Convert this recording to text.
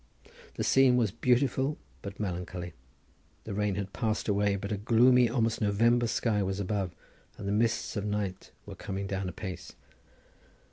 The scene was beautiful but melancholy; the rain had passed away, but a gloomy almost November sky was above, and the mists of night were coming down apace.